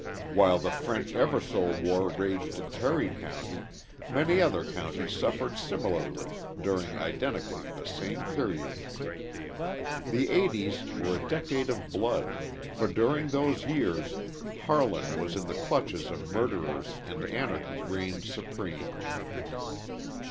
While the French Eversole war raged in Perry County, many other counties suffered similarly during identically the same period. The eighties were a decade of blood, for during those years Harlan was in the clutches of murderers and anarchy reigned supreme.